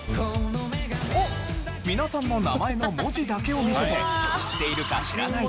皆さんの名前の文字だけを見せて知っているか知らないかを聞くというもの。